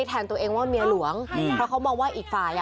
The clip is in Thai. โอ้ยมึงเล็กมาเจอดโอ้ย